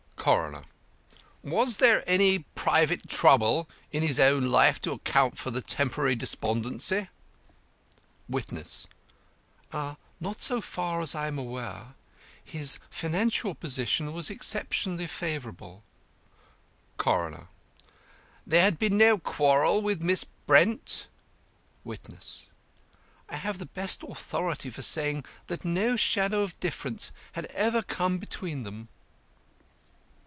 CORONER: Was there any private trouble in his own life to account for the temporary despondency? WITNESS: Not so far as I am aware. His financial position was exceptionally favourable. CORONER: There had been no quarrel with Miss Brent? WITNESS: I have the best authority for saying that no shadow of difference had ever come between them.